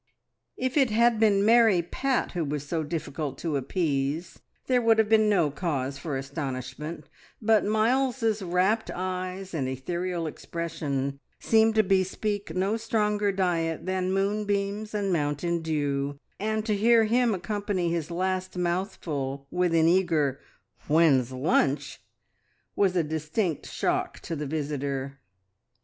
If it had been merry Pat who was so difficult to appease, there would have been no cause for astonishment, but Miles's rapt eyes and ethereal expression seemed to bespeak no stronger diet than moonbeams and mountain dew, and to hear him accompany his last mouthful with an eager, "When's lunch?" was a distinct shock to the visitor.